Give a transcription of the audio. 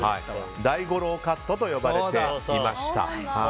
大五郎カットと呼ばれていました。